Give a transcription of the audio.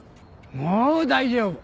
もう大丈夫！